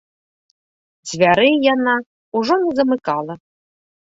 Дзвярэй яна ўжо не замыкала.